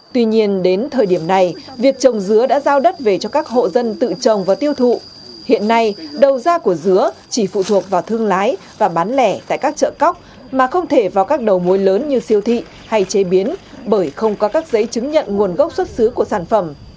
tuy nhiên đến thời điểm này việc trồng dứa đã giao đất về cho các hộ dân tự trồng và tiêu thụ hiện nay đầu ra của dứa chỉ phụ thuộc vào thương lái và bán lẻ tại các chợ cóc mà không thể vào các đầu mối lớn như siêu thị hay chế biến bởi không có các giấy chứng nhận nguồn gốc xuất xứ của sản phẩm